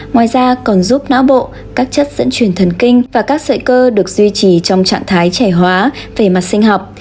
ngoài ra còn giúp não bộ các chất dẫn truyền thần kinh và các sợi cơ được duy trì trong trạng thái trẻ hóa về mặt sinh học